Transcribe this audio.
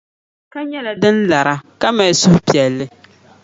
Ka nyɛla din lara, ka mali suhupɛlli.